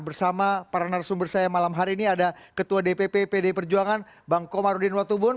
bersama para narasumber saya malam hari ini ada ketua dpp pd perjuangan bang komarudin watubun